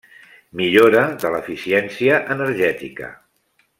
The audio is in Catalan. Millora de l'eficiència energètica.